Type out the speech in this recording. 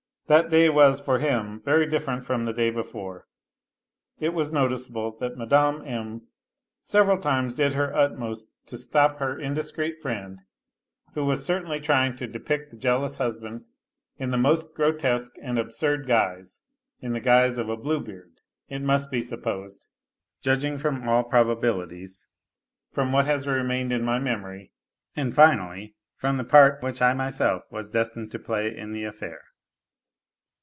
That day was for him very different from tin day IK We. It was noticeable that Mme. M. several times did IMT utmost, to stop her indiscreet friend, who was certainly trying to depict the jealous husband in the most grotesque A LITTLE HERO 239 and absurd guise, in the guise of " a blue beard " it must be supposed, judging from all probabilities, from what has remained in my memory and finally from the part which I myself was destined to play in the affair.